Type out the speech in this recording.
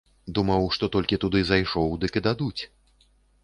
Думаў, што толькі туды зайшоў, дык і дадуць.